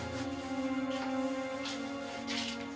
kami mungkin dapat